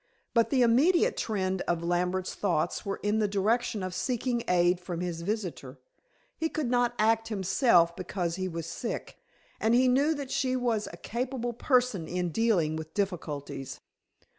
But the immediate trend of Lambert's thoughts were in the direction of seeking aid from his visitor. He could not act himself because he was sick, and he knew that she was a capable person in dealing with difficulties.